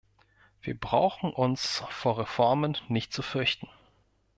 Wir brauchen uns vor Reformen nicht zu fürchten.